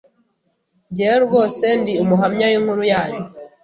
Njye we Rwose ndi umuhamya w’inkuru yanyu,